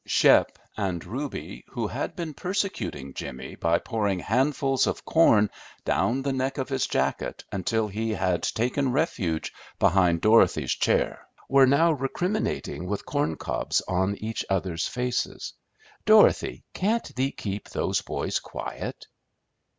(Shep and Reuby, who had been persecuting Jimmy by pouring handfuls of corn down the neck of his jacket until he had taken refuge behind Dorothy's chair, were now recriminating with corn cobs on each other's faces.) "Dorothy, can't thee keep those boys quiet?"